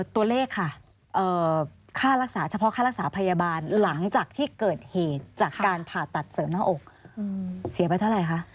ตัวเลขค่ะค่ารักษาเฉพาะค่ารักษาพยาบาลหลังจากที่เกิดเหตุจากการผ่าตัดเสริมหน้าอกเสียไปเท่าไหร่คะ